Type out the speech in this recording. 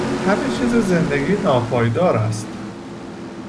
همه چیز زندگی ناپایدار است.